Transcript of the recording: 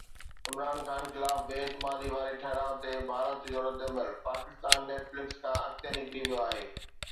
عمران خان خلاف بي اعتمادي واري ٺهراءُ تي ڀارت جو رد عمل: ’پاڪستان نيٽ فلڪس کان اڳتي نڪري ويو آهي‘